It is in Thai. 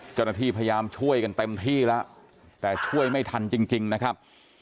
เจ้าหน้าที่พยายามช่วยกันเต็มที่แล้วแต่ช่วยไม่ทันจริงนะครับ